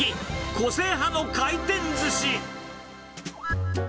個性派の回転ずし。